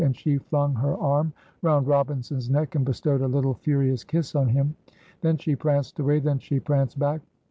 And she flung her arm round Robinson's neck, and bestowed a little furious kiss on him. Then she pranced away; then she pranced back.